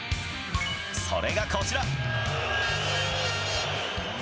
それがこちら。